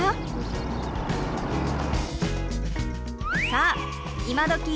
さあ今どき